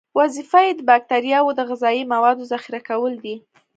وظیفه یې د باکتریاوو د غذایي موادو ذخیره کول دي.